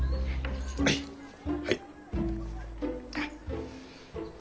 はいはい。